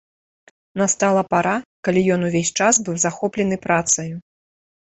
Настала пара, калі ён увесь час быў захоплены працаю.